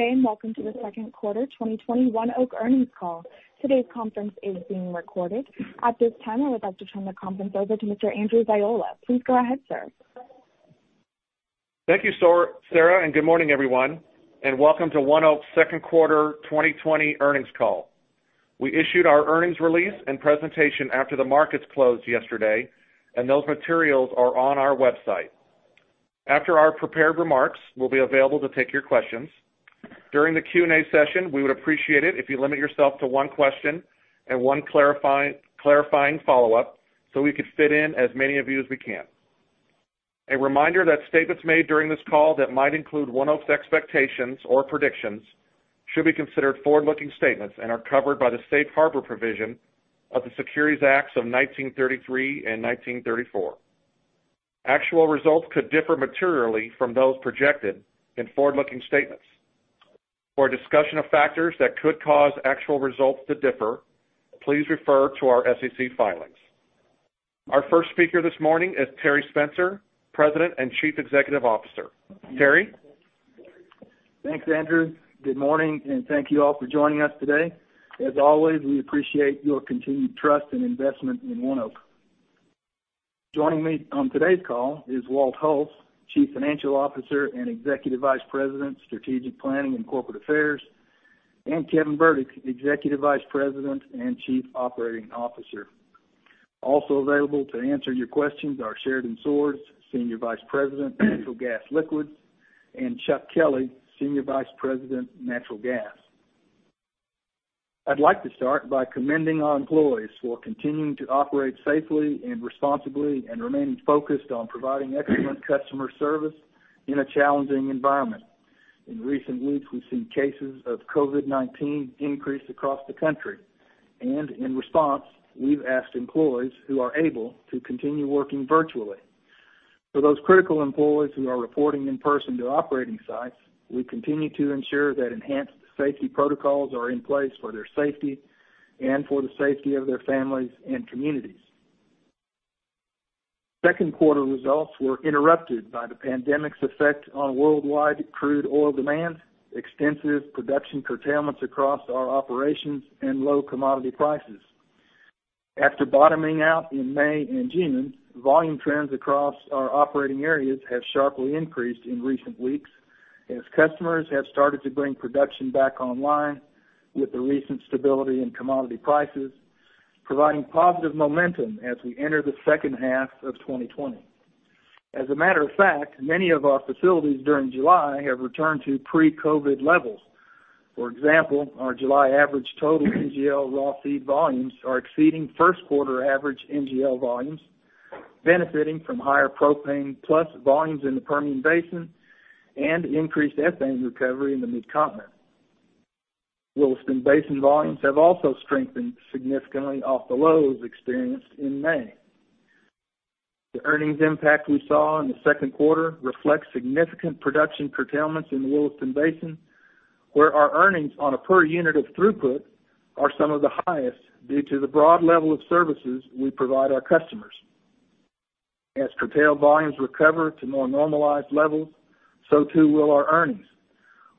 Good day, welcome to the second quarter 2021 ONEOK earnings call. Today's conference is being recorded. At this time, I would like to turn the conference over to Mr. Andrew Ziola. Please go ahead, sir. Thank you, Sarah, and good morning, everyone, and welcome to ONEOK's second quarter 2020 earnings call. We issued our earnings release and presentation after the markets closed yesterday, and those materials are on our website. After our prepared remarks, we'll be available to take your questions. During the Q&A session, we would appreciate it if you limit yourself to one question and one clarifying follow-up so we could fit in as many of you as we can. A reminder that statements made during this call that might include ONEOK's expectations or predictions should be considered forward-looking statements and are covered by the safe harbor provision of the Securities Acts of 1933 and 1934. Actual results could differ materially from those projected in forward-looking statements. For a discussion of factors that could cause actual results to differ, please refer to our SEC filings. Our first speaker this morning is Terry Spencer, President and Chief Executive Officer. Terry? Thanks, Andrew. Good morning, and thank you all for joining us today. As always, we appreciate your continued trust and investment in ONEOK. Joining me on today's call is Walt Hulse, Chief Financial Officer and Executive Vice President, Strategic Planning and Corporate Affairs, and Kevin Burdick, Executive Vice President and Chief Operating Officer. Also available to answer your questions are Sheridan Swords, Senior Vice President, Natural Gas Liquids, and Chuck Kelley, Senior Vice President, Natural Gas. I'd like to start by commending our employees for continuing to operate safely and responsibly and remaining focused on providing excellent customer service in a challenging environment. In recent weeks, we've seen cases of COVID-19 increase across the country. In response, we've asked employees who are able to continue working virtually. For those critical employees who are reporting in person to operating sites, we continue to ensure that enhanced safety protocols are in place for their safety and for the safety of their families and communities. Second quarter results were interrupted by the pandemic's effect on worldwide crude oil demand, extensive production curtailments across our operations, and low commodity prices. After bottoming out in May and June, volume trends across our operating areas have sharply increased in recent weeks as customers have started to bring production back online with the recent stability in commodity prices, providing positive momentum as we enter the second half of 2020. As a matter of fact, many of our facilities during July have returned to pre-COVID levels. For example, our July average total NGL raw feed volumes are exceeding first quarter average NGL volumes, benefiting from higher propane plus volumes in the Permian Basin and increased ethane recovery in the Mid-Continent. Williston Basin volumes have also strengthened significantly off the lows experienced in May. The earnings impact we saw in the second quarter reflects significant production curtailments in the Williston Basin, where our earnings on a per unit of throughput are some of the highest due to the broad level of services we provide our customers. As curtailed volumes recover to more normalized levels, so too will our earnings.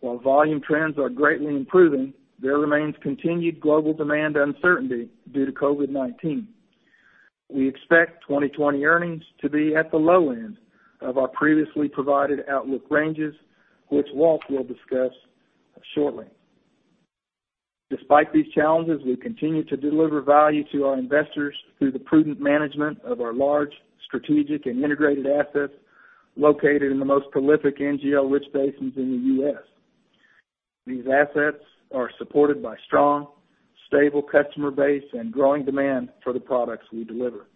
While volume trends are greatly improving, there remains continued global demand uncertainty due to COVID-19. We expect 2020 earnings to be at the low end of our previously provided outlook ranges, which Walt will discuss shortly. Despite these challenges, we continue to deliver value to our investors through the prudent management of our large strategic and integrated assets located in the most prolific NGL-rich basins in the U.S. These assets are supported by strong, stable customer base and growing demand for the products we deliver.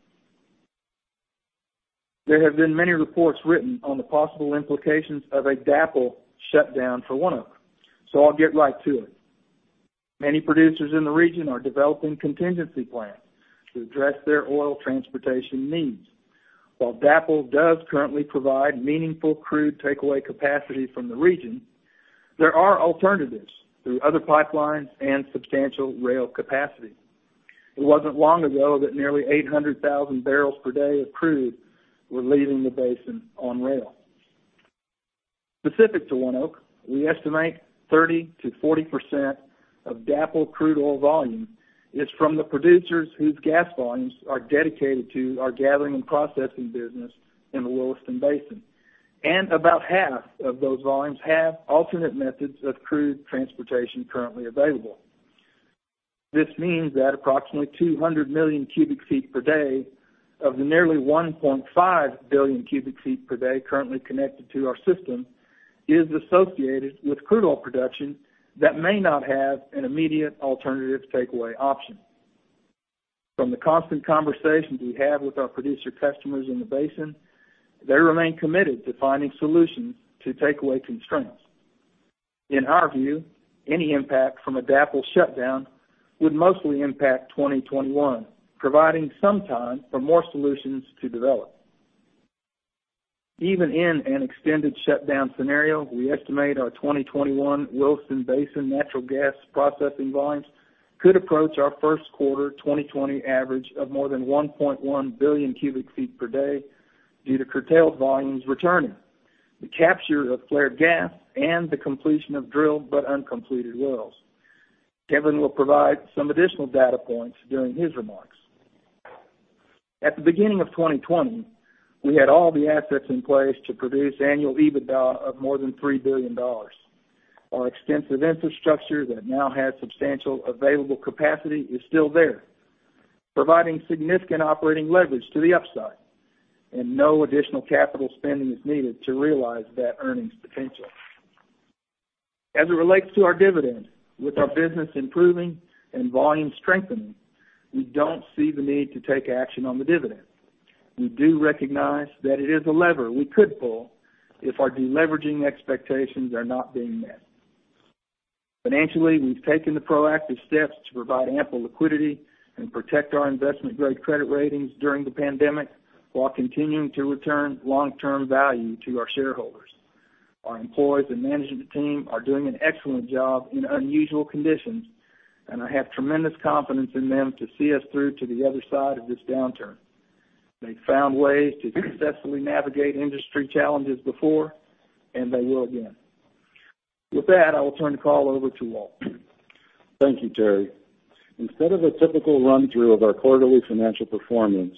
There have been many reports written on the possible implications of a DAPL shutdown for ONEOK, so I'll get right to it. Many producers in the region are developing contingency plans to address their oil transportation needs. While DAPL does currently provide meaningful crude takeaway capacity from the region, there are alternatives through other pipelines and substantial rail capacity. It wasn't long ago that nearly 800,000 bbl per day of crude were leaving the basin on rail. Specific to ONEOK, we estimate 30%-40% of DAPL crude oil volume is from the producers whose gas volumes are dedicated to our gathering and processing business in the Williston Basin. About half of those volumes have alternate methods of crude transportation currently available. This means that approximately 200 million cubic feet per day of the nearly 1.5 billion cubic feet per day currently connected to our system is associated with crude oil production that may not have an immediate alternative takeaway option. From the constant conversations we have with our producer customers in the basin, they remain committed to finding solutions to takeaway constraints. In our view, any impact from a DAPL shutdown would mostly impact 2021, providing some time for more solutions to develop. Even in an extended shutdown scenario, we estimate our 2021 Williston Basin natural gas processing volumes could approach our first quarter 2020 average of more than 1.1 billion cubic feet per day. Due to curtailed volumes returning, the capture of flared gas, and the completion of drilled but uncompleted wells. Kevin will provide some additional data points during his remarks. At the beginning of 2020, we had all the assets in place to produce annual EBITDA of more than $3 billion. Our extensive infrastructure that now has substantial available capacity is still there, providing significant operating leverage to the upside and no additional capital spending is needed to realize that earnings potential. As it relates to our dividend, with our business improving and volume strengthening, we don't see the need to take action on the dividend. We do recognize that it is a lever we could pull if our de-leveraging expectations are not being met. Financially, we've taken the proactive steps to provide ample liquidity and protect our investment-grade credit ratings during the pandemic, while continuing to return long-term value to our shareholders. Our employees and management team are doing an excellent job in unusual conditions, and I have tremendous confidence in them to see us through to the other side of this downturn. They've found ways to successfully navigate industry challenges before, and they will again. With that, I will turn the call over to Walt. Thank you, Terry. Instead of a typical run-through of our quarterly financial performance,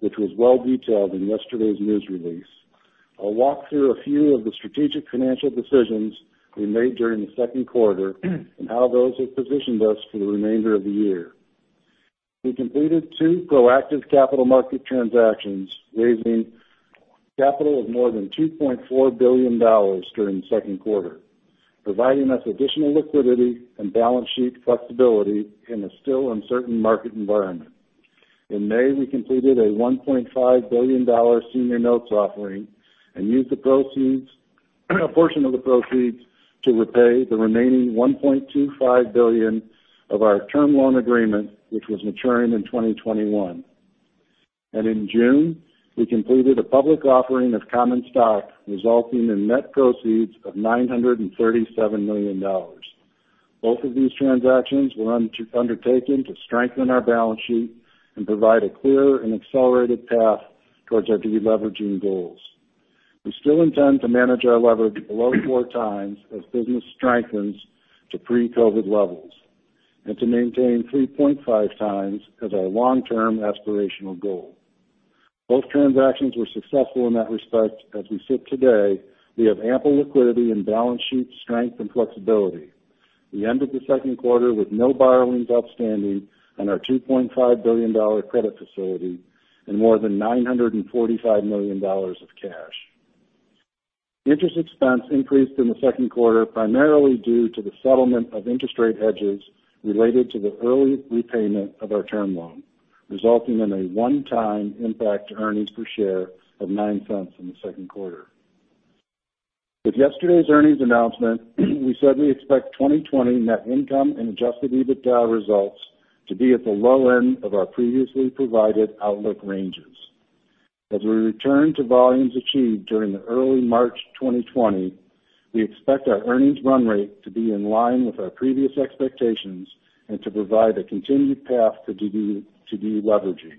which was well detailed in yesterday's news release, I'll walk through a few of the strategic financial decisions we made during the second quarter and how those have positioned us for the remainder of the year. We completed two proactive capital market transactions, raising capital of more than $2.4 billion during the second quarter, providing us additional liquidity and balance sheet flexibility in a still uncertain market environment. In May, we completed a $1.5 billion senior notes offering and used a portion of the proceeds to repay the remaining $1.25 billion of our term loan agreement, which was maturing in 2021. In June, we completed a public offering of common stock, resulting in net proceeds of $937 million. Both of these transactions were undertaken to strengthen our balance sheet and provide a clear and accelerated path towards our de-leveraging goals. We still intend to manage our leverage below four times as business strengthens to pre-COVID-19 levels and to maintain 3.5 times as our long-term aspirational goal. Both transactions were successful in that respect. As we sit today, we have ample liquidity and balance sheet strength and flexibility. We ended the second quarter with no borrowings outstanding on our $2.5 billion credit facility and more than $945 million of cash. Interest expense increased in the second quarter, primarily due to the settlement of interest rate hedges related to the early repayment of our term loan, resulting in a one-time impact to earnings per share of $0.09 in the second quarter. With yesterday's earnings announcement, we said we expect 2020 net income and adjusted EBITDA results to be at the low end of our previously provided outlook ranges. As we return to volumes achieved during the early March 2020, we expect our earnings run rate to be in line with our previous expectations and to provide a continued path to de-leveraging.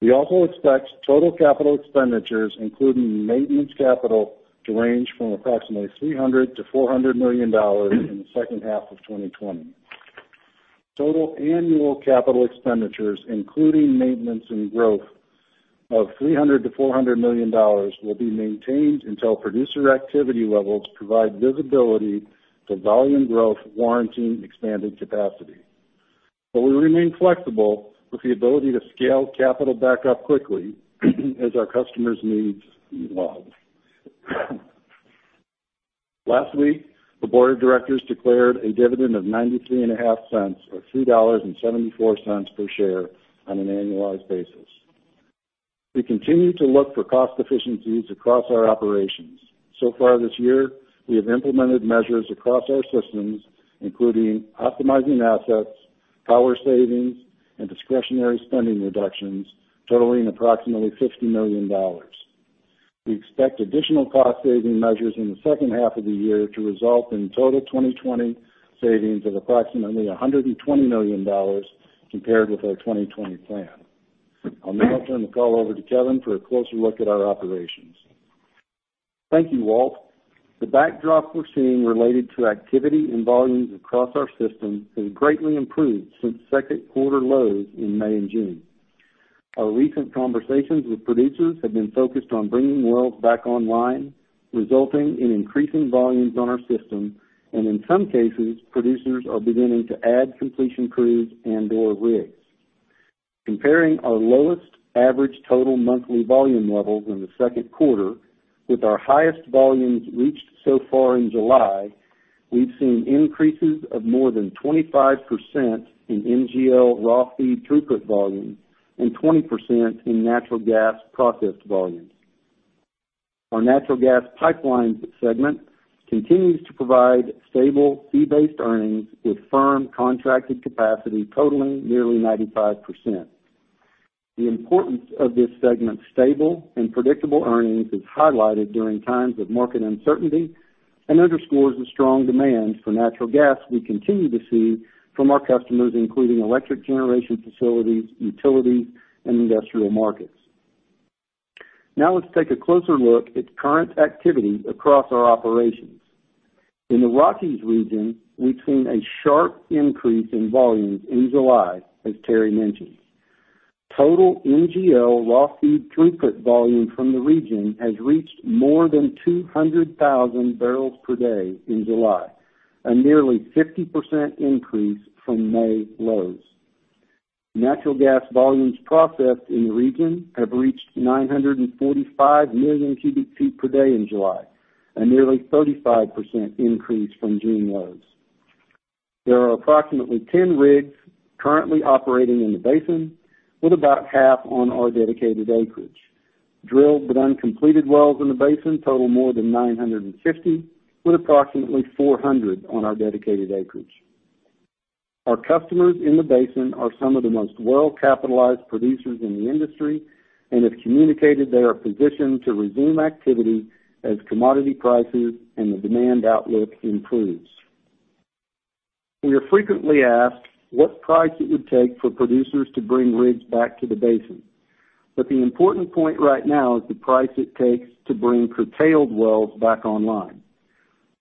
We also expect total capital expenditures, including maintenance capital, to range from approximately $300 million-$400 million in the second half of 2020. Total annual capital expenditures, including maintenance and growth, of $300 million-$400 million will be maintained until producer activity levels provide visibility to volume growth warranting expanded capacity. We remain flexible with the ability to scale capital back up quickly as our customers' needs evolve. Last week, the board of directors declared a dividend of $0.935, or $3.74 per share on an annualized basis. We continue to look for cost efficiencies across our operations. So far this year, ONEOK have implemented measures across our systems, including optimizing assets, power savings, and discretionary spending reductions totaling approximately $50 million. We expect additional cost-saving measures in the second half of the year to result in total 2020 savings of approximately $120 million compared with our 2020 plan. I'll now turn the call over to Kevin for a closer look at our operations. Thank you, Walt. The backdrop we're seeing related to activity and volumes across our system has greatly improved since second quarter lows in May and June. Our recent conversations with producers have been focused on bringing wells back online, resulting in increasing volumes on our system, and in some cases, producers are beginning to add completion crews and/or rigs. Comparing our lowest average total monthly volume levels in the second quarter with our highest volumes reached so far in July, we've seen increases of more than 25% in NGL raw feed throughput volume and 20% in natural gas processed volumes. Our natural gas pipelines segment continues to provide stable fee-based earnings with firm contracted capacity totaling nearly 95%. The importance of this segment's stable and predictable earnings is highlighted during times of market uncertainty and underscores the strong demand for natural gas we continue to see from our customers, including electric generation facilities, utilities, and industrial markets. Let's take a closer look at current activity across our operations. In the Rockies region, we've seen a sharp increase in volumes in July, as Terry mentioned. Total NGL raw feed throughput volume from the region has reached more than 200,000 bbl per day in July, a nearly 50% increase from May lows. Natural gas volumes processed in the region have reached 945 million cubic feet per day in July, a nearly 35% increase from June lows. There are approximately 10 rigs currently operating in the basin, with about half on our dedicated acreage. Drilled but uncompleted wells in the basin total more than 950, with approximately 400 on our dedicated acreage. Our customers in the basin are some of the most well-capitalized producers in the industry and have communicated they are positioned to resume activity as commodity prices and the demand outlook improves. We are frequently asked what price it would take for producers to bring rigs back to the basin. The important point right now is the price it takes to bring curtailed wells back online.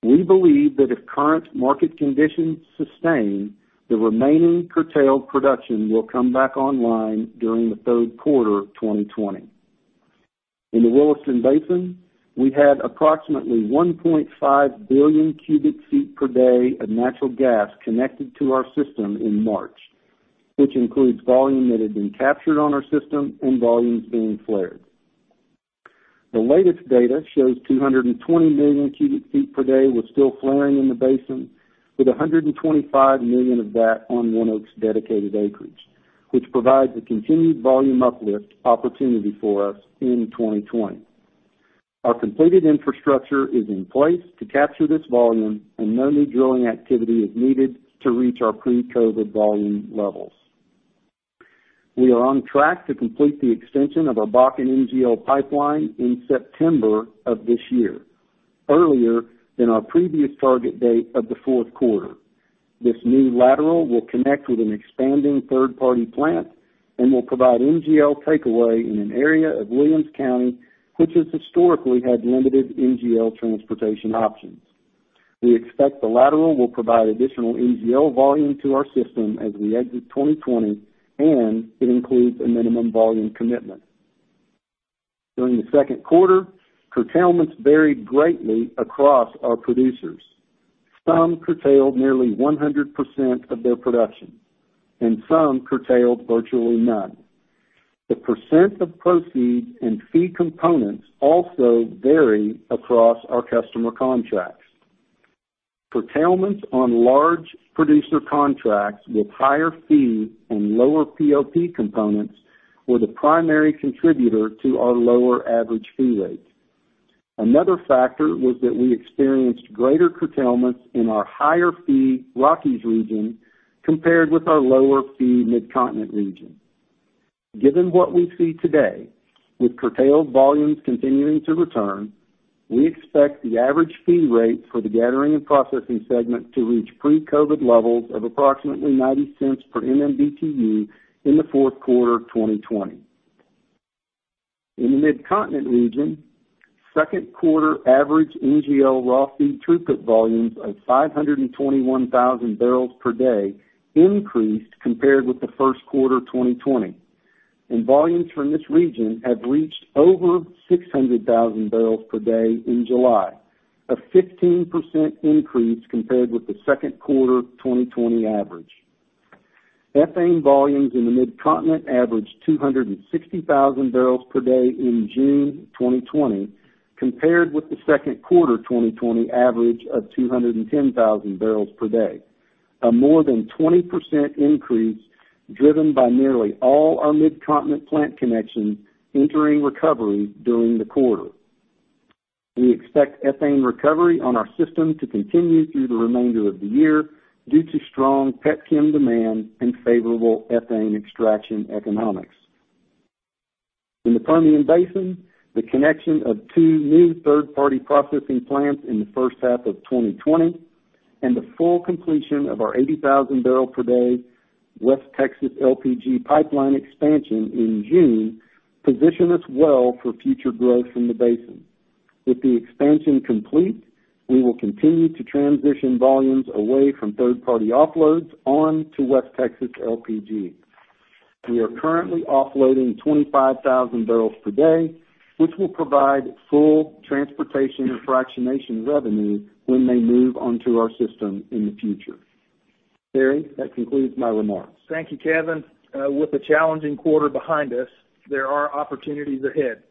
We believe that if current market conditions sustain, the remaining curtailed production will come back online during the third quarter of 2020. In the Williston Basin, we had approximately 1.5 billion cubic feet per day of natural gas connected to our system in March, which includes volume that had been captured on our system and volumes being flared. The latest data shows 220 million cubic feet per day was still flaring in the basin, with 125 million of that on ONEOK's dedicated acreage, which provides a continued volume uplift opportunity for us in 2020. Our completed infrastructure is in place to capture this volume. No new drilling activity is needed to reach our pre-COVID volume levels. We are on track to complete the extension of our Bakken NGL Pipeline in September of this year, earlier than our previous target date of the fourth quarter. This new lateral will connect with an expanding third-party plant and will provide NGL takeaway in an area of Williams County, which has historically had limited NGL transportation options. We expect the lateral will provide additional NGL volume to our system as we exit 2020. It includes a minimum volume commitment. During the second quarter, curtailments varied greatly across our producers. Some curtailed nearly 100% of their production. Some curtailed virtually none. The percent of proceeds and fee components also vary across our customer contracts. Curtailments on large producer contracts with higher fee and lower POP components were the primary contributor to our lower average fee rates. Another factor was that we experienced greater curtailments in our higher fee Rockies region compared with our lower fee Mid-Continent region. Given what we see today, with curtailed volumes continuing to return, we expect the average fee rate for the gathering and processing segment to reach pre-COVID levels of approximately $0.90 per MMBtu in the fourth quarter of 2020. In the Mid-Continent region, second quarter average NGL raw feed throughput volumes of 521,000 bbl per day increased compared with the first quarter 2020, and volumes from this region have reached over 600,000 bbl per day in July, a 15% increase compared with the second quarter 2020 average. Ethane volumes in the Mid-Continent averaged 260,000 bbl per day in June 2020 compared with the second quarter 2020 average of 210,000 bbl per day. A more than 20% increase driven by nearly all our Mid-Continent plant connections entering recovery during the quarter. We expect ethane recovery on our system to continue through the remainder of the year due to strong petchem demand and favorable ethane extraction economics. In the Permian Basin, the connection of two new third-party processing plants in the first half of 2020 and the full completion of our 80,000 barrel per day West Texas LPG pipeline expansion in June position us well for future growth in the basin. With the expansion complete, we will continue to transition volumes away from third-party offloads onto West Texas LPG. We are currently offloading 25,000 bbl per day, which will provide full transportation and fractionation revenue when they move onto our system in the future. Terry, that concludes my remarks. Thank you, Kevin. With a challenging quarter behind us, there are opportunities ahead.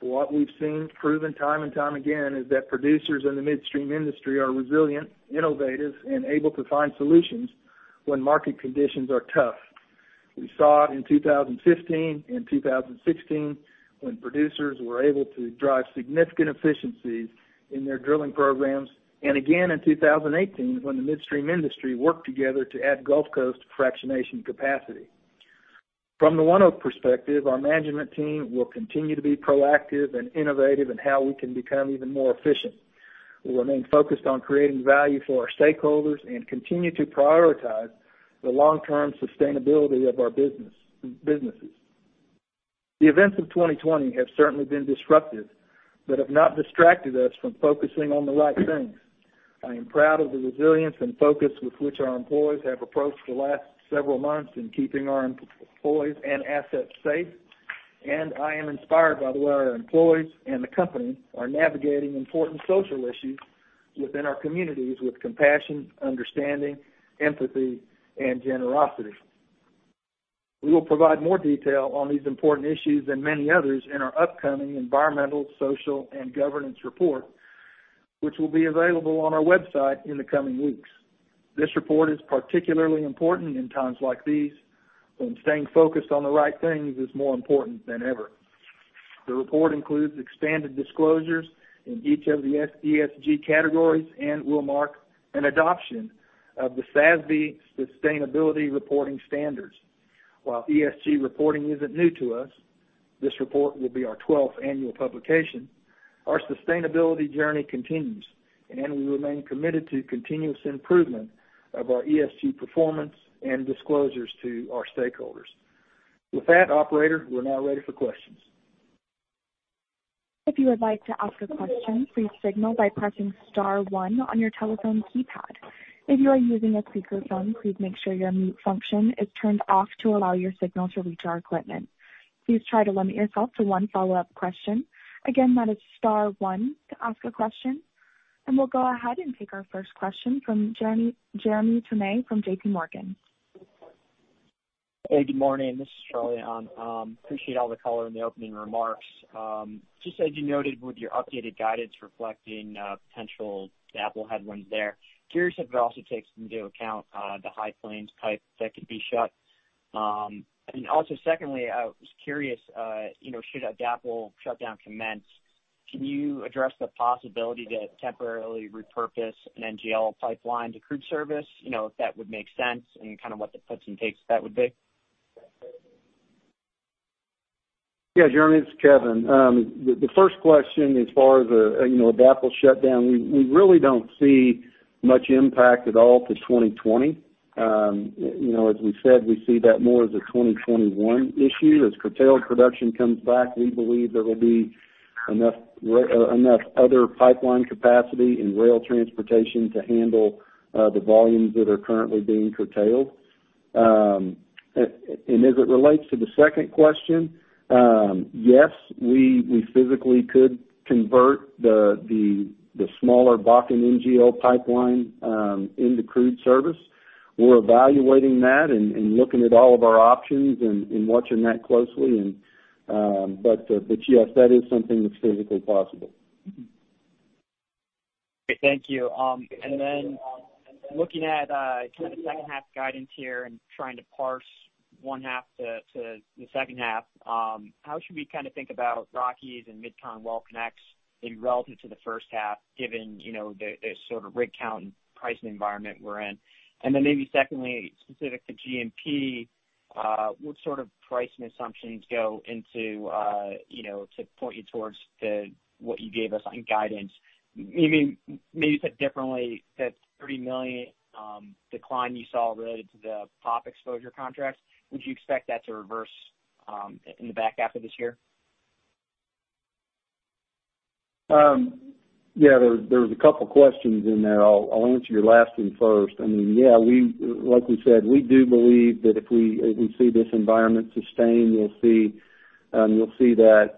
What we've seen proven time and time again is that producers in the midstream industry are resilient, innovative, and able to find solutions when market conditions are tough. We saw it in 2015 and 2016 when producers were able to drive significant efficiencies in their drilling programs, and again in 2018 when the midstream industry worked together to add Gulf Coast fractionation capacity. From the ONEOK perspective, our management team will continue to be proactive and innovative in how we can become even more efficient. We'll remain focused on creating value for our stakeholders and continue to prioritize the long-term sustainability of our businesses. The events of 2020 have certainly been disruptive but have not distracted us from focusing on the right things. I am proud of the resilience and focus with which our employees have approached the last several months in keeping our employees and assets safe, and I am inspired by the way our employees and the company are navigating important social issues within our communities with compassion, understanding, empathy, and generosity. We will provide more detail on these important issues and many others in our upcoming Environmental, Social, and Governance Report, which will be available on our website in the coming weeks. This report is particularly important in times like these, when staying focused on the right things is more important than ever. The report includes expanded disclosures in each of the ESG categories and will mark an adoption of the SASB sustainability reporting standards. While ESG reporting isn't new to us, this report will be our 12th annual publication. Our sustainability journey continues, and we remain committed to continuous improvement of our ESG performance and disclosures to our stakeholders. With that, operator, we're now ready for questions. If you would like to ask a question, please signal by pressing star one on your telephone keypad. If you are using a speakerphone, please make sure your mute function is turned off to allow your signal to reach our equipment. Please try to limit yourself to one follow-up question. Again, that is star one to ask a question. We'll go ahead and take our first question from Jeremy Tonet from J.P. Morgan. Hey, good morning. This is Charlie. Appreciate all the color in the opening remarks. Just as you noted with your updated guidance reflecting potential DAPL headwinds there, curious if it also takes into account the High Plains pipe that could be shut? Also, secondly, I was curious, should a DAPL shutdown commence, can you address the possibility to temporarily repurpose an NGL pipeline to crude service, if that would make sense and kind of what the puts and takes of that would be? Yeah, Jeremy, it's Kevin. The first question as far as a DAPL shutdown, we really don't see much impact at all to 2020. As we said, we see that more as a 2021 issue. As curtailed production comes back, we believe there will be enough other pipeline capacity and rail transportation to handle the volumes that are currently being curtailed. As it relates to the second question, yes, we physically could convert the smaller Bakken NGL Pipeline into crude service. We're evaluating that and looking at all of our options and watching that closely. Yes, that is something that's physically possible. Okay. Thank you. Looking at kind of the second half guidance here and trying to parse one half to the second half, how should we kind of think about Rockies and Mid-Con well connects in relative to the first half, given the sort of rig count and pricing environment we're in? Maybe secondly, specific to G&P, what sort of pricing assumptions go into to point you towards what you gave us on guidance? Maybe put differently, that $30 million decline you saw related to the POP exposure contracts, would you expect that to reverse in the back half of this year? Yeah, there's a couple questions in there. I'll answer your last one first. Yeah, like we said, we do believe that if we see this environment sustain, we'll see that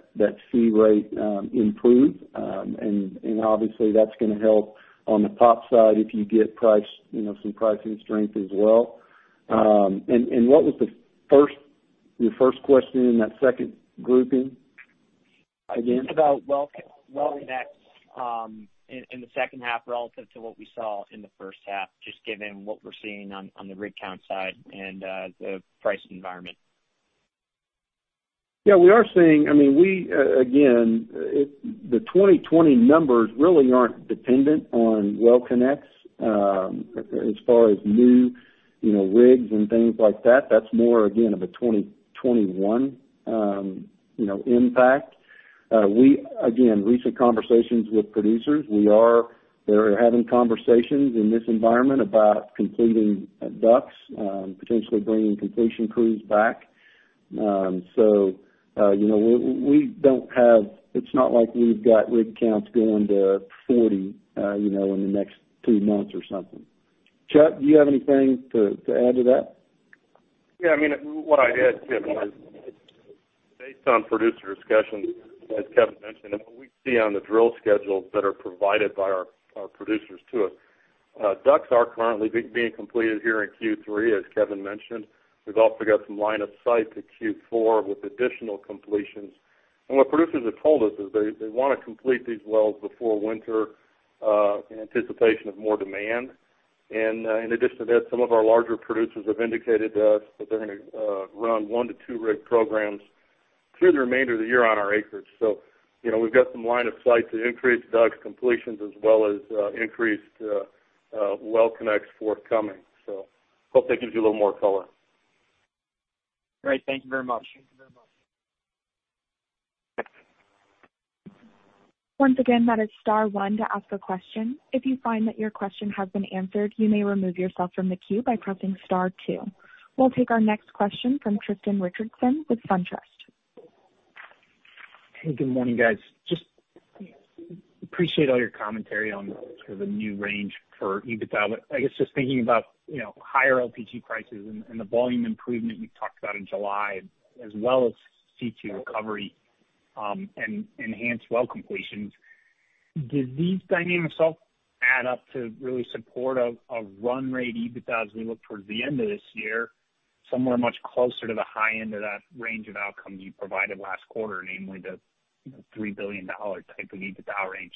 fee rate improve. Obviously, that's going to help on the POP side if you get some pricing strength as well. What was your first question in that second grouping again? Just about well connects in the second half relative to what we saw in the first half, just given what we're seeing on the rig count side and the pricing environment. Yeah. Again, the 2020 numbers really aren't dependent on well connects as far as new rigs and things like that. That's more, again, of a 2021 impact. Again, recent conversations with producers, they're having conversations in this environment about completing DUCs, potentially bringing completion crews back. It's not like we've got rig counts going to 40 in the next two months or something. Chuck, do you have anything to add to that? Yeah. What I'd add, Kevin, is based on producer discussions, as Kevin mentioned, and what we see on the drill schedules that are provided by our producers to us, DUCs are currently being completed here in Q3, as Kevin mentioned. We've also got some line of sight to Q4 with additional completions. What producers have told us is they want to complete these wells before winter in anticipation of more demand. In addition to that, some of our larger producers have indicated to us that they're going to run one to two rig programs Through the remainder of the year on our acreage. We've got some line of sight to increase DUC completions as well as increased well connects forthcoming. Hope that gives you a little more color. Great. Thank you very much. Once again, that is star one to ask a question. If you find that your question has been answered, you may remove yourself from the queue by pressing star two. We'll take our next question from Tristan Richardson with SunTrust. Hey, good morning, guys. Just appreciate all your commentary on sort of the new range for EBITDA. I guess just thinking about higher LPG prices and the volume improvement you talked about in July, as well as C2 recovery, and enhanced well completions. Do these dynamics help add up to really support a run rate EBITDA as we look towards the end of this year, somewhere much closer to the high end of that range of outcomes you provided last quarter, namely the $3 billion type of EBITDA range?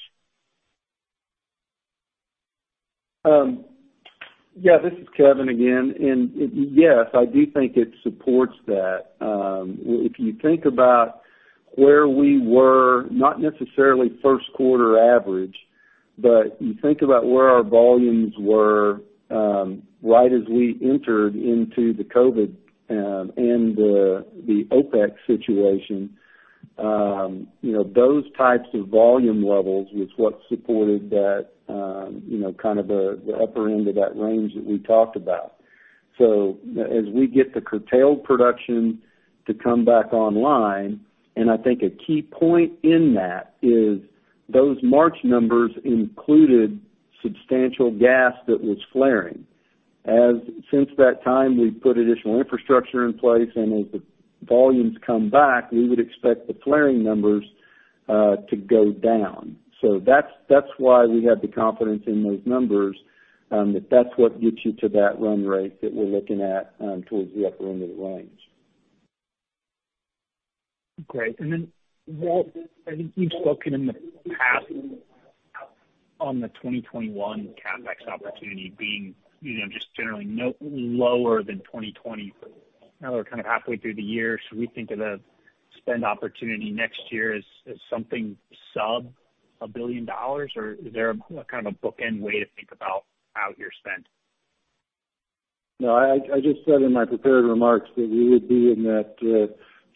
Yeah, this is Kevin again. Yes, I do think it supports that. If you think about where we were, not necessarily first quarter average, but you think about where our volumes were right as we entered into the COVID and the OPEC situation. Those types of volume levels is what supported that kind of the upper end of that range that we talked about. As we get the curtailed production to come back online, and I think a key point in that is those March numbers included substantial gas that was flaring. Since that time, we've put additional infrastructure in place, and as the volumes come back, we would expect the flaring numbers to go down. That's why we have the confidence in those numbers, that that's what gets you to that run rate that we're looking at towards the upper end of the range. Great. Walt, I think you've spoken in the past on the 2021 CapEx opportunity being just generally lower than 2020. Now that we're kind of halfway through the year, should we think of the spend opportunity next year as something sub a billion dollars? Or is there a kind of a bookend way to think about out year spend? No, I just said in my prepared remarks that we would be in that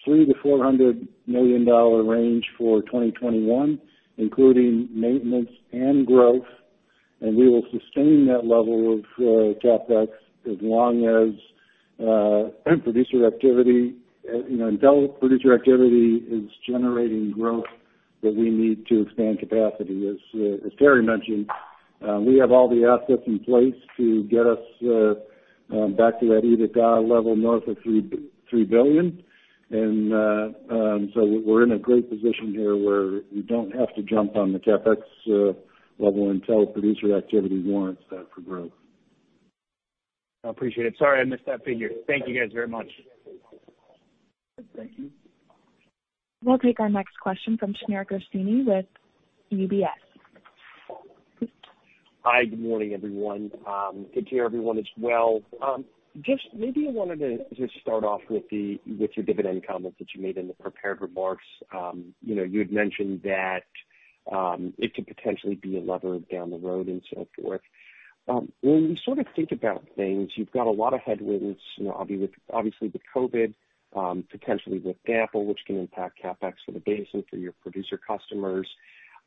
$300 million-$400 million range for 2021, including maintenance and growth, we will sustain that level of CapEx as long as producer activity is generating growth that we need to expand capacity. As Terry mentioned, we have all the assets in place to get us back to that EBITDA level north of $3 billion. We're in a great position here where we don't have to jump on the CapEx level until producer activity warrants that for growth. I appreciate it. Sorry, I missed that figure. Thank you guys very much. Thank you. We'll take our next question from Shneur Gershuni with UBS. Hi, good morning, everyone. Good day, everyone, as well. Just maybe I wanted to just start off with your dividend comments that you made in the prepared remarks. You had mentioned that it could potentially be a lever down the road and so forth. When you sort of think about things, you've got a lot of headwinds, obviously with COVID, potentially with DAPL, which can impact CapEx for the basin for your producer customers.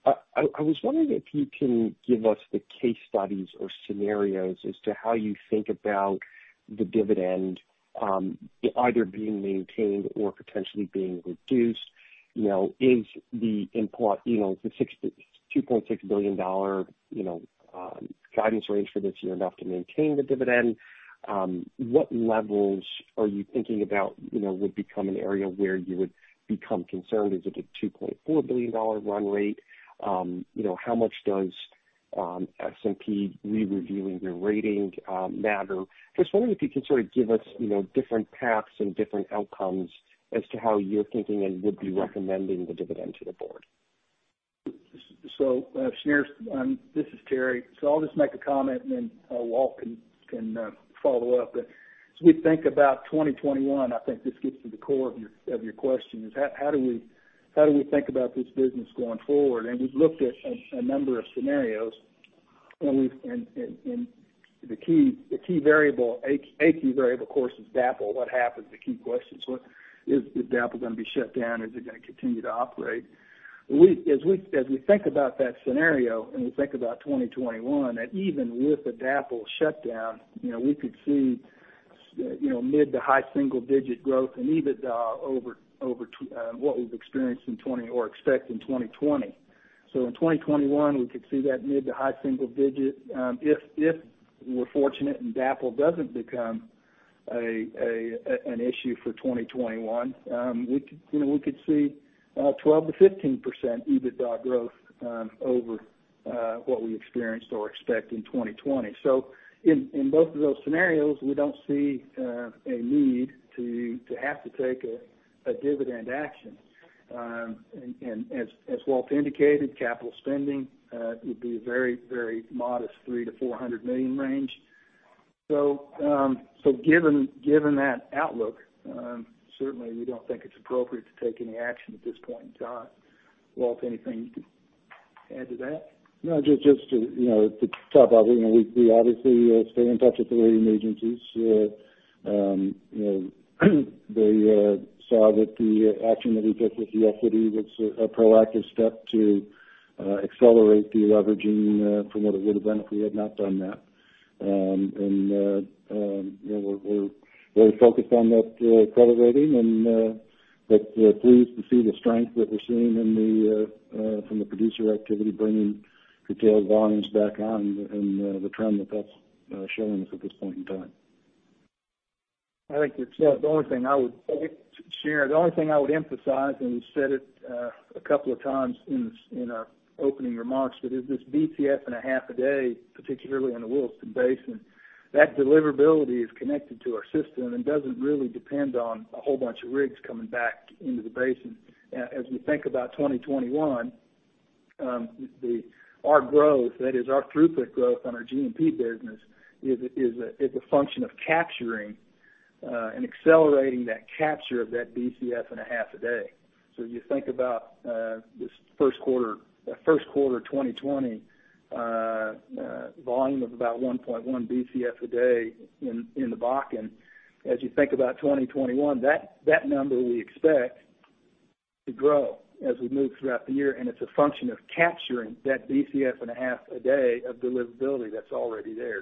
I was wondering if you can give us the case studies or scenarios as to how you think about the dividend either being maintained or potentially being reduced. Is the $2.6 billion guidance range for this year enough to maintain the dividend? What levels are you thinking about would become an area where you would become concerned? Is it a $2.4 billion run rate? How much does S&P re-reviewing your rating matter? Just wondering if you can sort of give us different paths and different outcomes as to how you're thinking and would be recommending the dividend to the board? Shneur, this is Terry. I'll just make a comment and then Walt can follow up. As we think about 2021, I think this gets to the core of your question is how do we think about this business going forward? We've looked at a number of scenarios and the key variable, a key variable, of course, is DAPL. What happens? The key question. Is DAPL going to be shut down? Is it going to continue to operate? As we think about that scenario and we think about 2021, that even with a DAPL shutdown, we could see mid to high single digit growth in EBITDA over what we've experienced or expect in 2020. In 2021, we could see that mid to high single digit. If we're fortunate and DAPL doesn't become an issue for 2021, we could see 12%-15% EBITDA growth over what we experienced or expect in 2020. In both of those scenarios, we don't see a need to have to take a dividend action. As Walt indicated, capital spending would be very modest, $300 million-$400 million range. Given that outlook, certainly we don't think it's appropriate to take any action at this point in time. Walt, anything you could add to that? No, just to top off. We obviously stay in touch with the rating agencies. They saw that the action that we took with the equity was a proactive step to accelerate de-leveraging from what it would've been if we had not done that. We're very focused on that credit rating and pleased to see the strength that we're seeing from the producer activity bringing curtailed volumes back on and the trend that that's showing us at this point in time. I think that's it. Shneur, the only thing I would emphasize, and we said it a couple of times in our opening remarks, but is this BCF and a half a day, particularly in the Williston Basin. That deliverability is connected to our system and doesn't really depend on a whole bunch of rigs coming back into the basin. As we think about 2021, our growth, that is our throughput growth on our G&P business, is a function of capturing and accelerating that capture of that BCF and a half a day. You think about this first quarter 2020 volume of about 1.1 BCF a day in the Bakken. As you think about 2021, that number we expect to grow as we move throughout the year, and it's a function of capturing that BCF and a half a day of deliverability that's already there.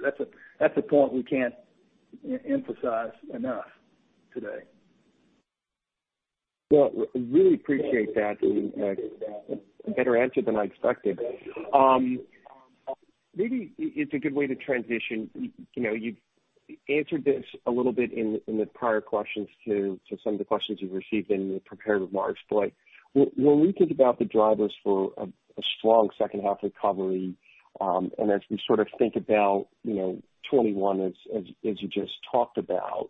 That's a point we can't emphasize enough today. Well, really appreciate that. A better answer than I expected. Maybe it's a good way to transition. You answered this a little bit in the prior questions to some of the questions you've received in your prepared remarks. When we think about the drivers for a strong second half recovery, and as we sort of think about 2021 as you just talked about.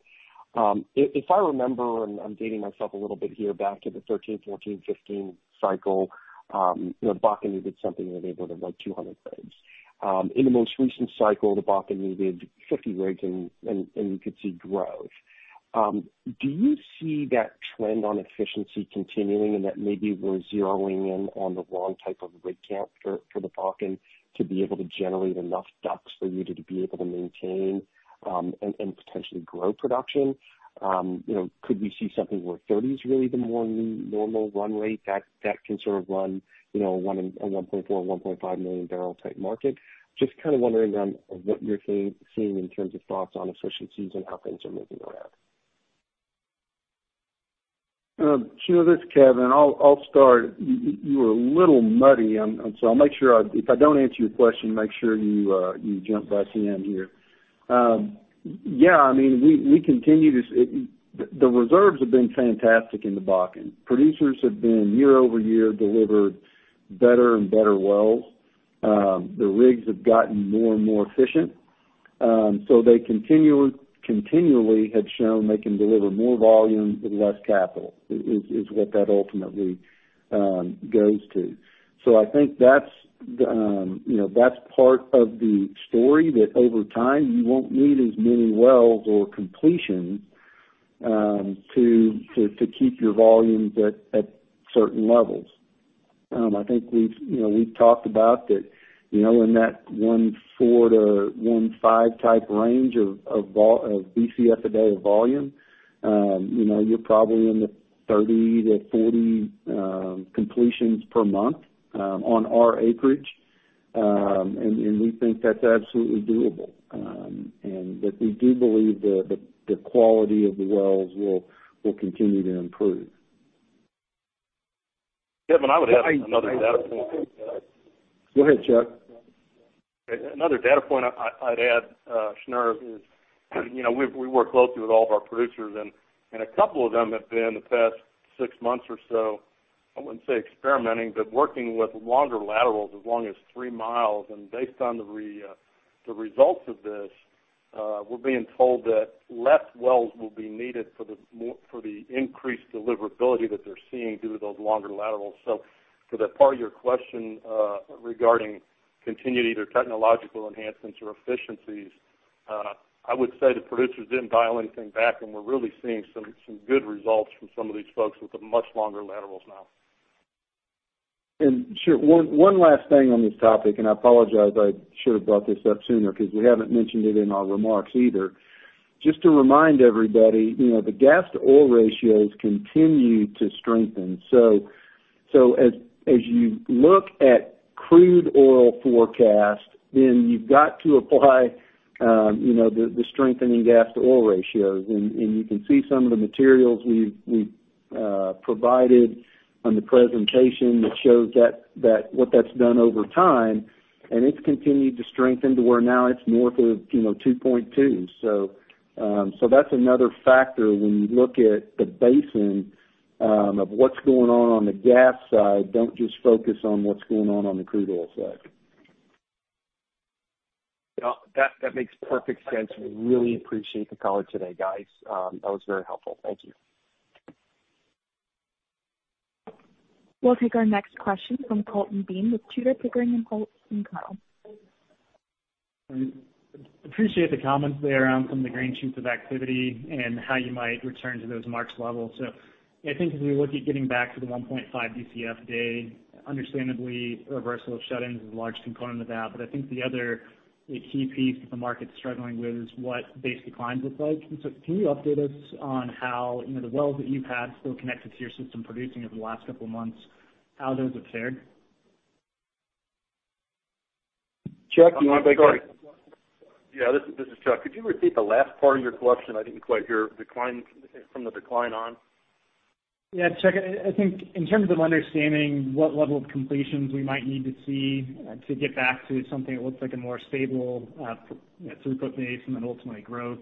If I remember, and I'm dating myself a little bit here, back to the 2013, 2014, 2015 cycle, Bakken needed something in the neighborhood of like 200 rigs. In the most recent cycle, the Bakken needed 50 rigs, and you could see growth. Do you see that trend on efficiency continuing and that maybe we're zeroing in on the wrong type of rig count for the Bakken to be able to generate enough DUCs for you to be able to maintain, and potentially grow production? Could we see something where 30 is really the more normal run rate that can sort of run a 1.4, 1.5 million barrel type market? Just kind of wondering on what you're seeing in terms of thoughts on efficiencies and how things are moving around. Shneur, this is Kevin. I'll start. You were a little muddy. I'll make sure if I don't answer your question, make sure you jump by [inaudible] here. Yeah, the reserves have been fantastic in the Bakken. Producers have been year-over-year delivered better and better wells. The rigs have gotten more and more efficient. They continually have shown they can deliver more volume with less capital, is what that ultimately goes to. I think that's part of the story that over time you won't need as many wells or completions to keep your volumes at certain levels. I think we've talked about that in that 1.4-1.5 type range of BCF a day of volume. You're probably in the 30-40 completions per month on our acreage, and we think that's absolutely doable. That we do believe the quality of the wells will continue to improve. Kevin, I would add another data point to that. Go ahead, Chuck. Another data point I'd add, Shneur, is we work closely with all of our producers, and a couple of them have been, the past six months or so, I wouldn't say experimenting, but working with longer laterals, as long as 3 mi. Based on the results of this, we're being told that less wells will be needed for the increased deliverability that they're seeing due to those longer laterals. To the part of your question regarding continued either technological enhancements or efficiencies, I would say the producers didn't dial anything back, and we're really seeing some good results from some of these folks with the much longer laterals now. Sure, one last thing on this topic, and I apologize, I should have brought this up sooner because we haven't mentioned it in our remarks either. Just to remind everybody, the gas to oil ratios continue to strengthen. As you look at crude oil forecast, then you've got to apply the strengthening gas to oil ratios. You can see some of the materials we've provided on the presentation that shows what that's done over time, and it's continued to strengthen to where now it's north of 2.2. That's another factor when you look at the basin of what's going on the gas side, don't just focus on what's going on the crude oil side. That makes perfect sense. Really appreciate the call today, guys. That was very helpful. Thank you. We'll take our next question from Colton Bean with Tudor, Pickering, Holt & Co. Appreciate the comments there around some of the green shoots of activity and how you might return to those marks levels. I think as we look at getting back to the 1.5 Bcf a day, understandably, reversal of shut-ins is a large component of that. I think the other key piece that the market's struggling with is what base declines look like. Can you update us on how the wells that you've had still connected to your system producing over the last couple of months, how those have fared? Chuck, do you want to take that? Yeah, this is Chuck. Could you repeat the last part of your question? I didn't quite hear from the decline on. Yeah, Chuck, I think in terms of understanding what level of completions we might need to see to get back to something that looks like a more stable throughput base and then ultimately growth.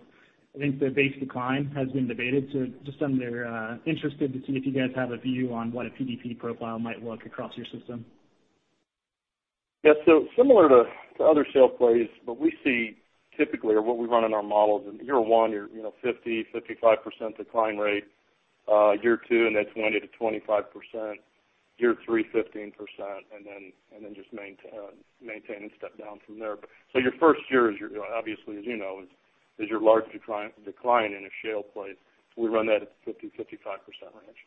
I think the base decline has been debated. Just under, interested to see if you guys have a view on what a PDP profile might look across your system. Similar to other shale plays, but we see typically, or what we run in our models, in year one, your 50%, 55% decline rate. Year two, that's 20%-25%. Year three, 15%. Just maintain and step down from there. Your first year is your, obviously as you know, is your largest decline in a shale play. We run that at 50%, 55% range.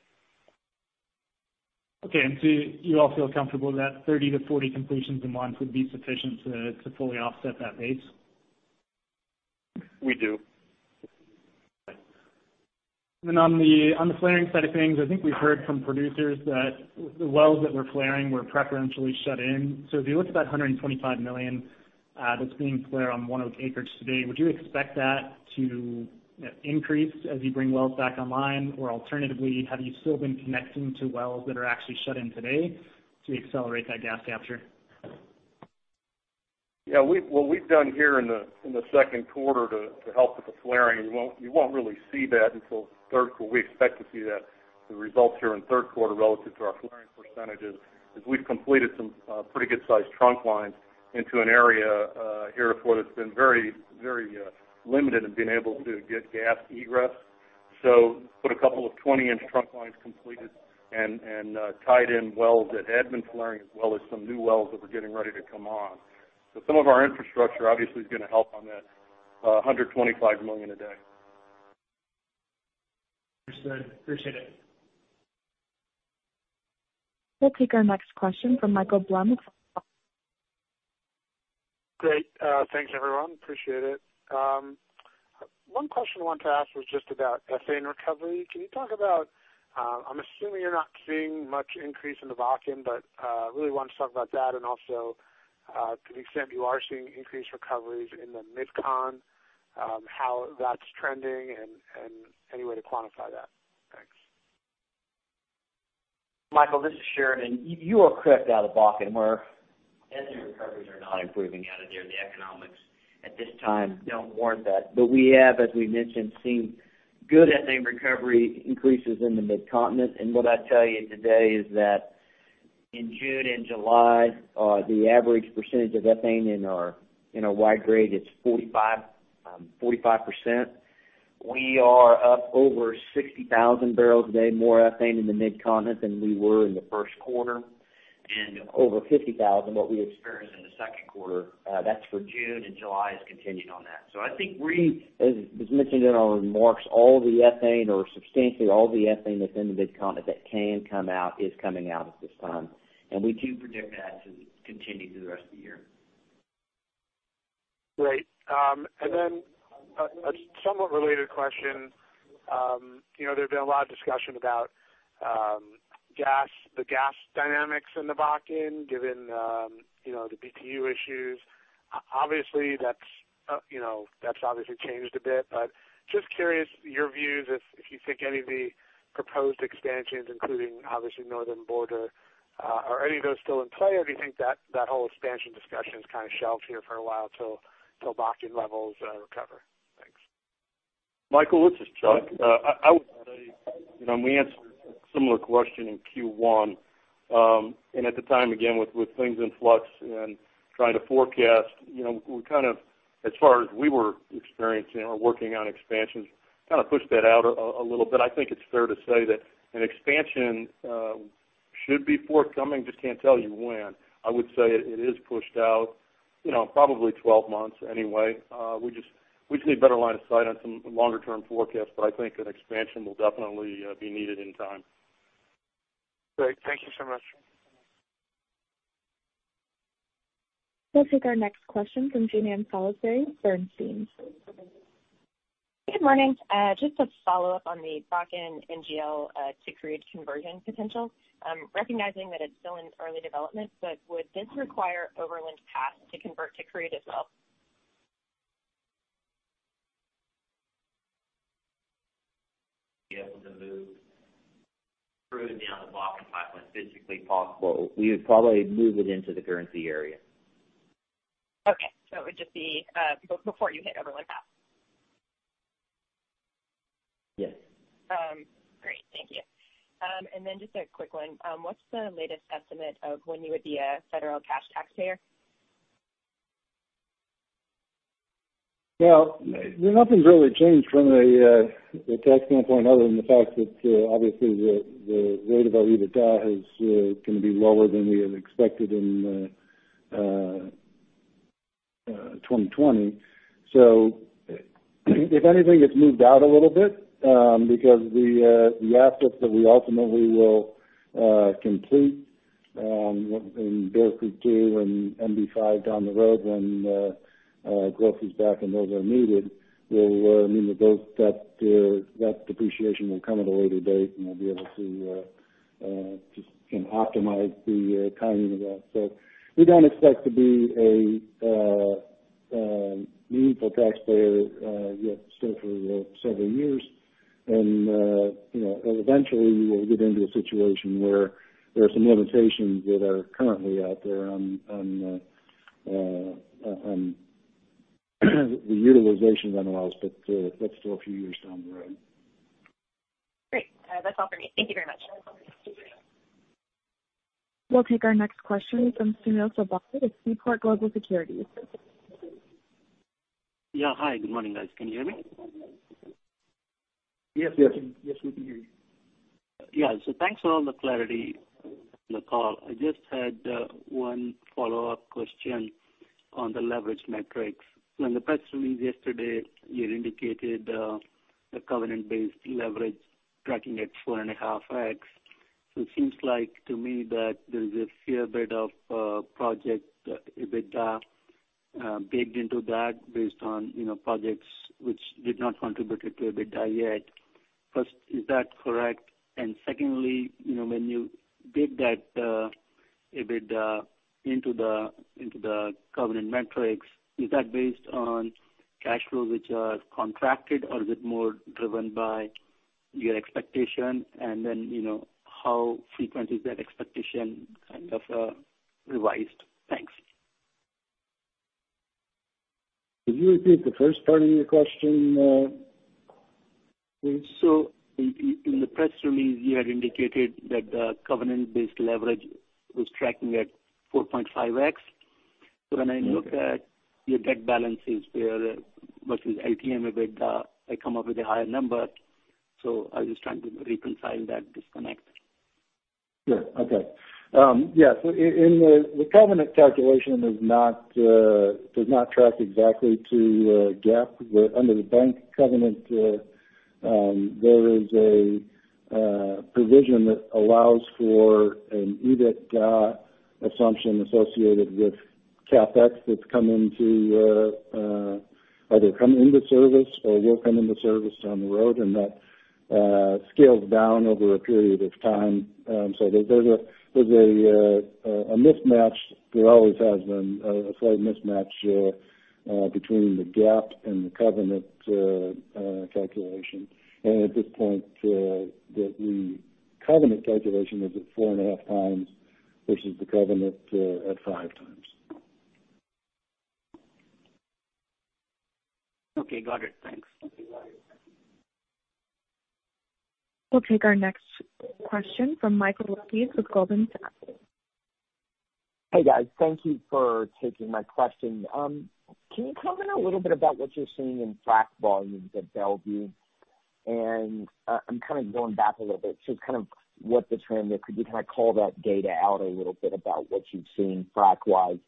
Okay. You all feel comfortable that 30-40 completions a month would be sufficient to fully offset that base? We do. On the flaring side of things, I think we've heard from producers that the wells that were flaring were preferentially shut in. If you look at that $125 million that's being flared on ONEOK acreage today, would you expect that to increase as you bring wells back online? Alternatively, have you still been connecting to wells that are actually shut in today to accelerate that gas capture? Yeah. What we've done here in the second quarter to help with the flaring, you won't really see that until third. What we expect to see that the results here in third quarter relative to our flaring percentages, is we've completed some pretty good sized trunk lines into an area, here at Fort it's been very limited in being able to get gas egress. Put a couple of 20-inch trunk lines completed and tied in wells that had been flaring as well as some new wells that we're getting ready to come on. Some of our infrastructure obviously is going to help on that 125 million a day. Understood. Appreciate it. We'll take our next question from Michael Blum with Wells Fargo Securities. Great. Thanks, everyone. Appreciate it. One question I wanted to ask was just about ethane recovery. Can you talk about I'm assuming you're not seeing much increase in the Bakken, but really wanted to talk about that, and also to the extent you are seeing increased recoveries in the Mid-Con, how that's trending and any way to quantify that. Thanks. Michael, this is Sheridan. You are correct out of Bakken where ethane recoveries are not improving out of there. The economics at this time don't warrant that. We have, as we mentioned, seen good ethane recovery increases in the Mid-Continent. What I'd tell you today is that in June and July, the average percentage of ethane in our y-grade, it's 45%. We are up over 60,000 bbl a day, more ethane in the Mid-Continent than we were in the first quarter and over 50,000 what we experienced in the second quarter. That's for June and July has continued on that. I think we, as mentioned in our remarks, all the ethane or substantially all the ethane that's in the Mid-Continent that can come out is coming out at this time. We do predict that to continue through the rest of the year. Great. Then a somewhat related question. There's been a lot of discussion about the gas dynamics in the Bakken, given the BTU issues. Obviously that's obviously changed a bit, but just curious your views if you think any of the proposed expansions, including obviously Northern Border, are any of those still in play or do you think that whole expansion discussion is kind of shelved here for a while till Bakken levels recover? Thanks. Michael, this is Chuck. I would say, we answered a similar question in Q1. At the time, again, with things in flux and trying to forecast, we kind of, as far as we were experiencing or working on expansions, kind of pushed that out a little bit. I think it's fair to say that an expansion should be forthcoming, just can't tell you when. I would say it is pushed out probably 12 months anyway. We just need better line of sight on some longer-term forecasts, I think an expansion will definitely be needed in time. Great. Thank you so much. We'll take our next question from Jean Ann Salisbury, Bernstein. Good morning. Just a follow-up on the Bakken NGL to crude conversion potential. Recognizing that it's still in early development, would this require Overland Pass to convert to crude as well? Be able to move crude down the Bakken pipeline is physically possible. We would probably move it into the Cushing area. Okay. It would just be before you hit Overland Pass. Yes. Great. Thank you. Just a quick one. What's the latest estimate of when you would be a federal cash taxpayer? Nothing's really changed from a tax standpoint other than the fact that obviously the rate of our EBITDA is going to be lower than we had expected in 2020. If anything, it's moved out a little bit, because the assets that we ultimately will complete in Belvieu two and MB-5 down the road when growth is back and those are needed, that depreciation will come at a later date, and we'll be able to just optimize the timing of that. We don't expect to be a meaningful taxpayer yet still for several years. Eventually we will get into a situation where there are some limitations that are currently out there on the utilization of NOLs, but that's still a few years down the road. Great. That's all for me. Thank you very much. We'll take our next question from Sunil Sibal with Seaport Global Securities. Yeah. Hi. Good morning, guys. Can you hear me? Yes, we can hear you. Yeah. Thanks for all the clarity on the call. I just had one follow-up question on the leverage metrics. In the press release yesterday, you had indicated the covenant-based leverage tracking at 4.5x. It seems like to me that there is a fair bit of project EBITDA baked into that based on projects which did not contribute to EBITDA yet. First, is that correct? Secondly, when you bake that EBITDA into the covenant metrics, is that based on cash flows which are contracted, or is it more driven by your expectation? How frequent is that expectation kind of revised? Thanks. Could you repeat the first part of your question, please? In the press release, you had indicated that the covenant-based leverage was tracking at 4.5x. When I look at your debt balances versus LTM EBITDA, I come up with a higher number. I was just trying to reconcile that disconnect. Yeah. Okay. Yeah. The covenant calculation does not track exactly to GAAP. Under the bank covenant, there is a provision that allows for an EBITDA assumption associated with CapEx that either come into service or will come into service down the road, and that scales down over a period of time. There's a mismatch. There always has been a slight mismatch between the GAAP and the covenant calculation. At this point, the covenant calculation is at 4.5 times versus the covenant at five times. Okay, got it. Thanks. Okay, bye. We'll take our next question from Michael Lapides with Goldman Sachs. Hey, guys. Thank you for taking my question. Can you comment a little bit about what you're seeing in frac volumes at Belvieu? I'm kind of going back a little bit to kind of what the trend is. Could you kind of call that data out a little bit about what you're seeing frac-wise?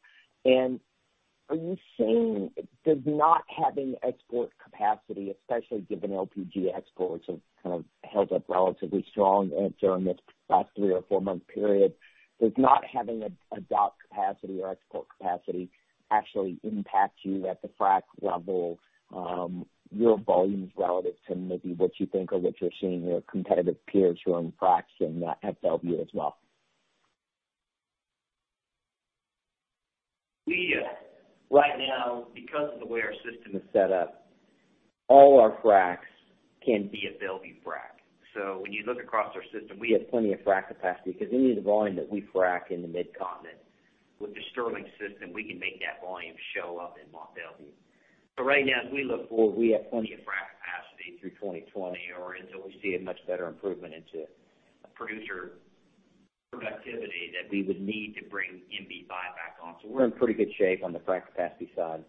Does not having export capacity, especially given LPG exports have kind of held up relatively strong during this last three or four-month period, does not having a dock capacity or export capacity actually impact you at the frac level, your volumes relative to maybe what you think or what you're seeing your competitive peers who are in fracs in FLB as well? We, right now, because of the way our system is set up, all our fracs can be a Belvieu frac. When you look across our system, we have plenty of frac capacity because any of the volume that we frac in the Mid-Continent, with the Sterling system, we can make that volume show up in Mont Belvieu. Right now, as we look forward, we have plenty of frac capacity through 2020 or until we see a much better improvement into producer productivity that we would need to bring MB-5 back on. We're in pretty good shape on the frac capacity side.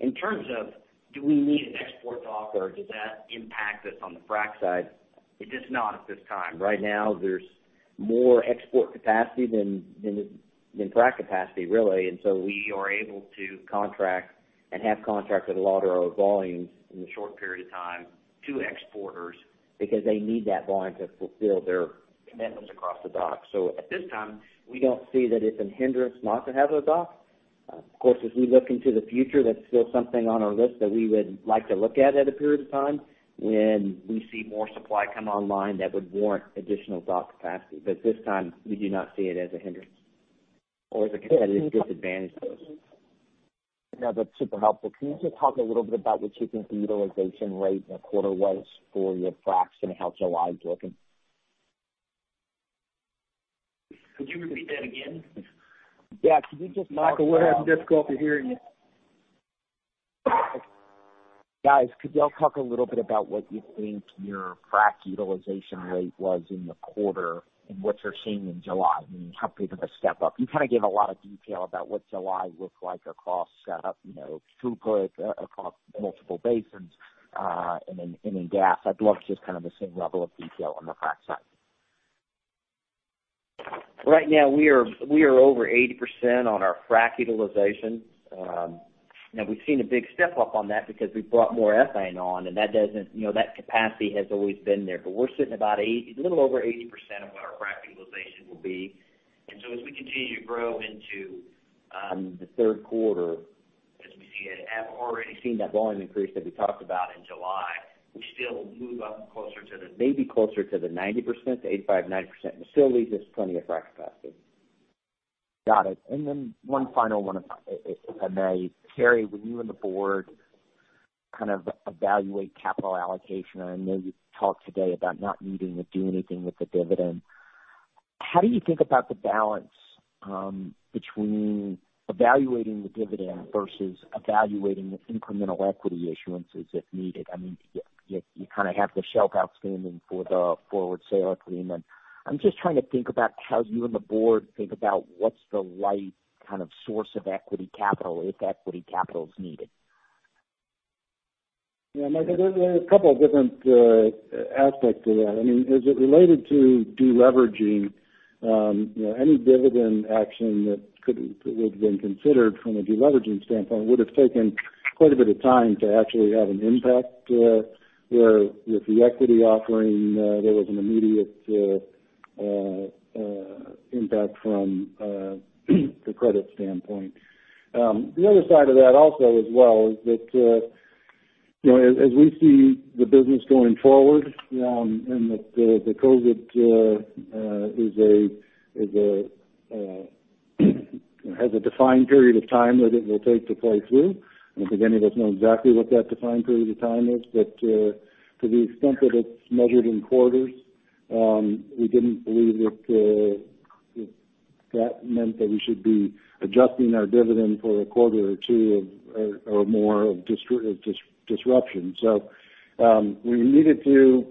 In terms of do we need an export dock or does that impact us on the frac side? It does not at this time. Right now, there's more export capacity than frac capacity, really. We are able to contract and have contracted a lot of our volumes in a short period of time to exporters because they need that volume to fulfill their commitments across the dock. At this time, we don't see that it's a hindrance not to have those docks. Of course, as we look into the future, that's still something on our list that we would like to look at a period of time when we see more supply come online that would warrant additional dock capacity. At this time, we do not see it as a hindrance or as a competitive disadvantage to us. No, that's super helpful. Can you just talk a little bit about what you think the utilization rate in the quarter was for your fracs and how July is looking? Could you repeat that again? Yeah. Michael, we're having difficulty hearing you. Okay, guys, could you all talk a little bit about what you think your frac utilization rate was in the quarter and what you're seeing in July and how big of a step up? You gave a lot of detail about what July looked like across throughput, across multiple basins, and in gas. I'd love just the same level of detail on the frac side. Right now, we are over 80% on our frac utilization. We've seen a big step up on that because we've brought more ethane on, and that capacity has always been there. We're sitting a little over 80% of what our frac utilization will be. As we continue to grow into the third quarter, as we have already seen that volume increase that we talked about in July, we still move up maybe closer to the 90%, the 85%-90%, but still leaves us plenty of frac capacity. Got it. One final one if I may. Terry, when you and the board evaluate capital allocation, I know you talked today about not needing to do anything with the dividend. How do you think about the balance between evaluating the dividend versus evaluating the incremental equity issuances if needed? You have the shelf outstanding for the forward sale agreement. I'm just trying to think about how you and the board think about what's the right source of equity capital, if equity capital's needed. Yeah, Michael, there are a couple of different aspects to that. As it related to de-leveraging, any dividend action that would've been considered from a de-leveraging standpoint would've taken quite a bit of time to actually have an impact. Where with the equity offering, there was an immediate impact from a credit standpoint. The other side of that also as well is that, as we see the business going forward, and that the COVID has a defined period of time that it will take to play through. I don't think any of us know exactly what that defined period of time is. To the extent that it's measured in quarters, we didn't believe that that meant that we should be adjusting our dividend for a quarter or two or more of disruption. We needed to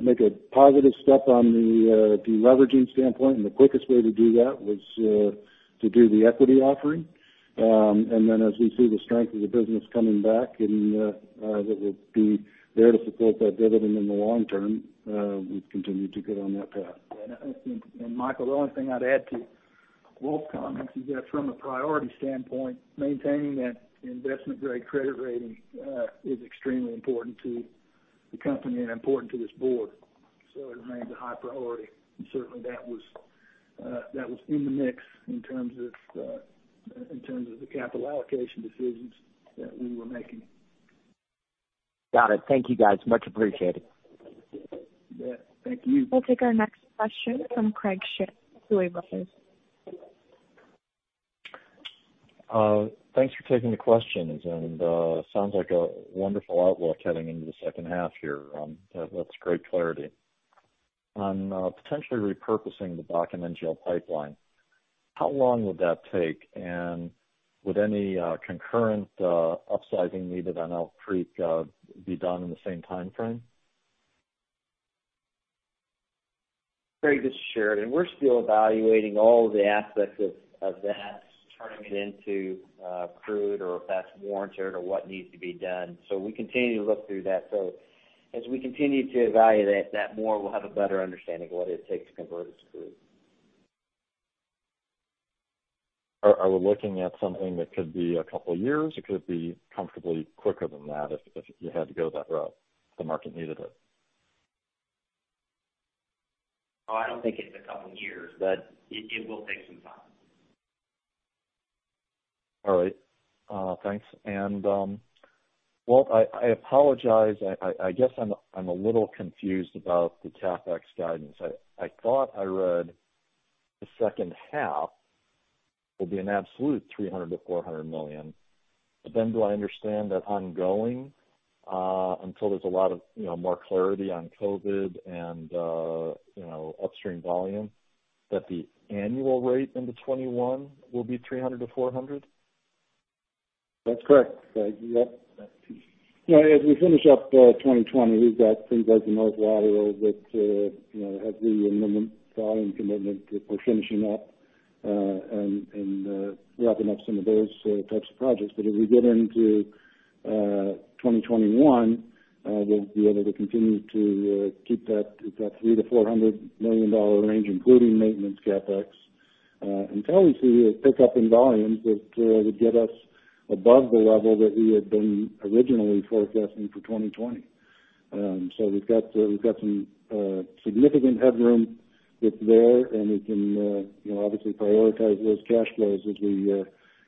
make a positive step on the de-leveraging standpoint, and the quickest way to do that was to do the equity offering. As we see the strength of the business coming back, and that we'll be there to support that dividend in the long term, we've continued to go down that path. Michael, the only thing I'd add to Walt's comments is that from a priority standpoint, maintaining that investment-grade credit rating is extremely important to the company and important to this board. It remains a high priority. Certainly that was in the mix in terms of the capital allocation decisions that we were making. Got it. Thank you, guys. Much appreciated. Yeah. Thank you. We'll take our next question from Craig Shere, Tuohy Brothers. Thanks for taking the questions. Sounds like a wonderful outlook heading into the second half here. That's great clarity. On potentially repurposing the Bakken NGL Pipeline, how long would that take? Would any concurrent upsizing needed on Elk Creek be done in the same timeframe? Craig, this is Sheridan. We're still evaluating all the aspects of that, turning it into crude or if that's warranted or what needs to be done. We continue to look through that. As we continue to evaluate that more, we'll have a better understanding of what it takes to convert to crude. Are we looking at something that could be a couple of years or could it be comfortably quicker than that if you had to go that route, if the market needed it? Oh, I don't think it's a couple of years, but it will take some time. All right. Thanks. Walt, I apologize, I guess I'm a little confused about the CapEx guidance. I thought I read the second half will be an absolute $300 million-$400 million. Then do I understand that ongoing, until there's a lot of more clarity on COVID and upstream volume, that the annual rate into 2021 will be $300 million-$400 million? That's correct, Craig. You got that piece. As we finish up 2020, we've got things like the North Water lateral, which has the minimum volume commitment that we're finishing up, and wrapping up some of those types of projects. As we get into 2021, we'll be able to continue to keep that $300 million-$400 million range, including maintenance CapEx, until we see a pickup in volumes that would get us above the level that we had been originally forecasting for 2020. We've got some significant headroom that's there, and we can obviously prioritize those cash flows as we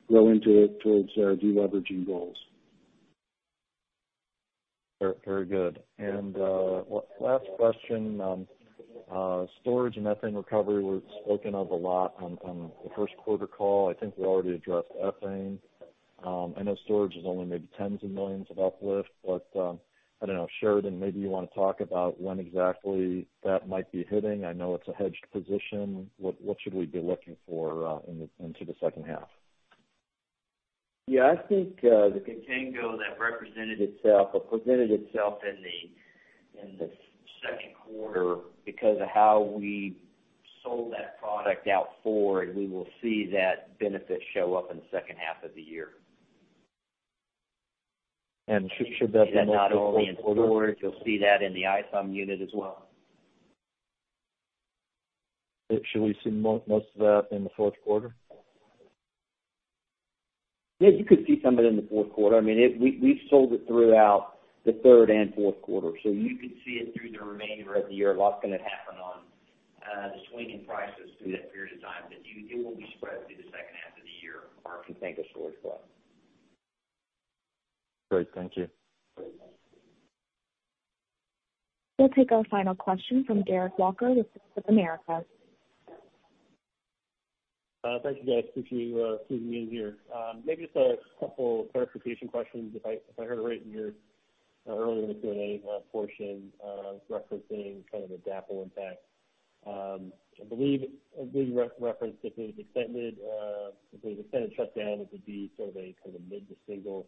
grow into it towards our de-leveraging goals. Very good. Last question. Storage and ethane recovery were spoken of a lot on the first quarter call. I think we already addressed ethane. I know storage is only maybe tens of millions of uplift, but I don't know, Sheridan, maybe you want to talk about when exactly that might be hitting. I know it's a hedged position. What should we be looking for into the second half? I think the contango that represented itself or presented itself in the second quarter because of how we sold that product out forward, we will see that benefit show up in the second half of the year. Should that mostly all be in the fourth? You'll see that not only in storage, you'll see that in the ISOM unit as well. Should we see most of that in the fourth quarter? Yeah, you could see some of it in the fourth quarter. We've sold it throughout the third and fourth quarter. You could see it through the remainder of the year. A lot's going to happen on the swing in prices through that period of time. It will be spread through the second half of the year if you think of storage as well. Great, thank you. We'll take our final question from Derek Walker with Bank of America. Thank you, guys. Appreciate you squeezing me in here. Maybe just a couple clarification questions. If I heard right earlier in the Q&A portion, referencing kind of a DAPL impact. I believe you referenced if there's extended shutdown, it would be sort of a mid to single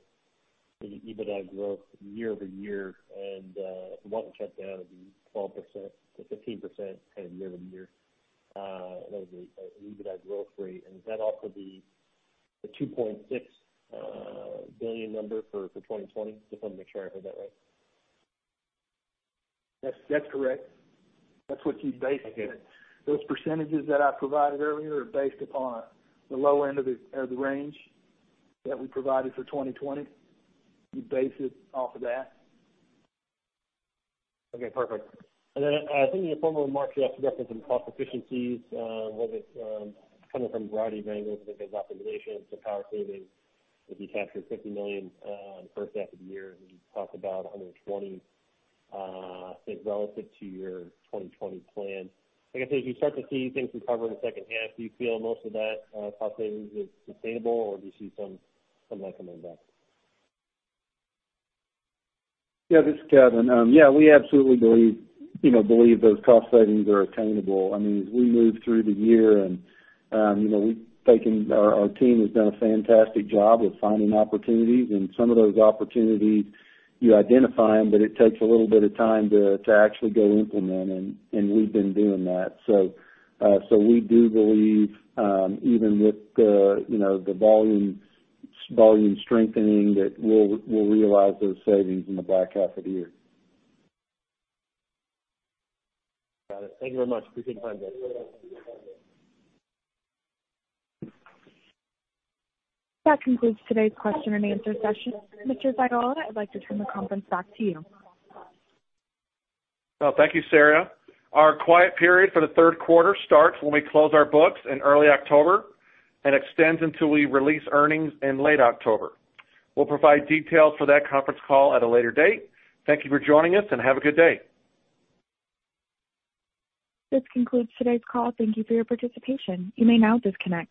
EBITDA growth year-over-year. If it wasn't shut down, it would be 12%-15% kind of year-over-year. That was an EBITDA growth rate. Would that also be the $2.6 billion number for 2020? Just want to make sure I heard that right. That's correct. That's what you base it. Okay. Those percentages that I provided earlier are based upon the low end of the range that we provided for 2020. You base it off of that. Okay, perfect. I think in your formal remarks, you also referenced some cost efficiencies, whether it's coming from a variety of angles, whether it's optimization. Power savings, if you capture $50 million in the first half of the year, then you talk about $120, I think, relative to your 2020 plan. I guess, as you start to see things recover in the second half, do you feel most of that cost savings is sustainable, or do you see some of that coming back? Yeah, this is Kevin. We absolutely believe those cost savings are attainable. As we move through the year, our team has done a fantastic job with finding opportunities. Some of those opportunities, you identify them, but it takes a little bit of time to actually go implement them. We've been doing that. We do believe, even with the volume strengthening, that we'll realize those savings in the back half of the year. Got it. Thank you very much. Appreciate the time, guys. That concludes today's question-and-answer session. Mr. Ziola, I'd like to turn the conference back to you. Well, thank you, Sarah. Our quiet period for the third quarter starts when we close our books in early October and extends until we release earnings in late October. We'll provide details for that conference call at a later date. Thank you for joining us, and have a good day. This concludes today's call. Thank you for your participation. You may now disconnect.